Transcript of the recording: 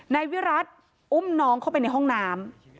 นายวิรัติอุ้มน้องเข้าไปในห้องน้ำ